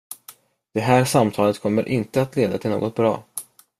Det här samtalet kommer inte att leda till något bra.